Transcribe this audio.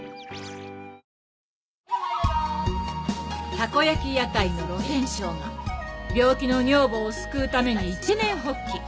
たこ焼き屋台の露天商が病気の女房を救うために一念発起